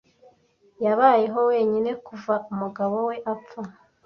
Yabayeho wenyine kuva umugabo we apfa.